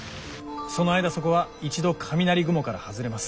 その間そこは一度雷雲から外れます。